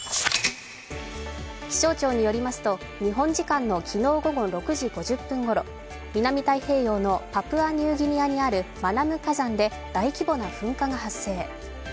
気象庁によりますと、日本時間の昨日午前６時５０分頃、南太平洋のパプアニューギニアにあるマナム火山で大規模な噴火が発生。